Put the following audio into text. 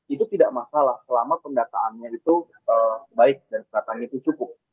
itu tidak masalah selama pendataannya itu baik dan pendataannya itu cukup